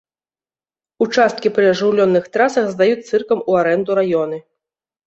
Участкі пры ажыўленых трасах здаюць цыркам у арэнду раёны.